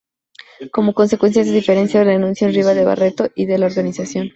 Como consecuencia de estas diferencias renuncian Rivera y Barreto de la organización.